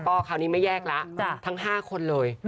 ก็คราวนี้ไม่แยกแล้วทั้ง๕คนเลย